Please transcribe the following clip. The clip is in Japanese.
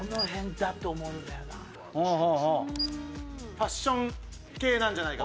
ファッション系なんじゃないかと。